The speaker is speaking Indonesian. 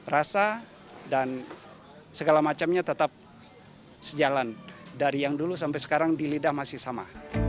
rasa dan segala macamnya tetap sejalan dari yang dulu sampai sekarang di lidah masih sama